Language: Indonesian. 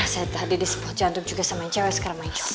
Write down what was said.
saya tadi di sepot jantung juga sama cewek sekarang main jomba